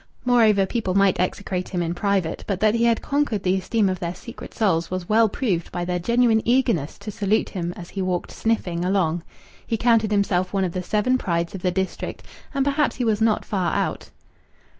Moreover, people might execrate him in private, but that he had conquered the esteem of their secret souls was well proved by their genuine eagerness to salute him as he walked sniffing along. He counted himself one of the seven prides of the district, and perhaps he was not far out.